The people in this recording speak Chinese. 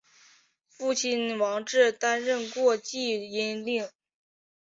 父亲王志担任过济阴令。